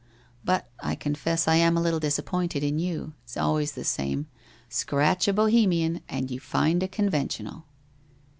... But I confess I am a little disappointed in you. It's always the same. Scratch a Bohemian and you find a conventional